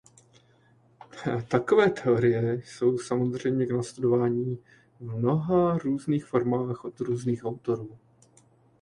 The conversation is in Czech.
Takové teorie jsou samozřejmě k nastudování v mnoha různých formách od různých autorů.